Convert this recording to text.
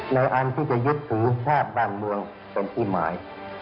ในอันที่จะยึดถือภาพบ้านมวงเป็นที่หมาย